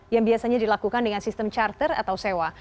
yang biasanya dilakukan dengan sistem charter atau sewa